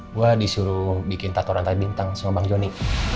gue disuruh bikin tato rantai bintang sama bang jonny